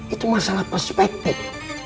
itu masalah perspektif